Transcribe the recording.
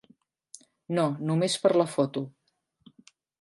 No, només per la foto.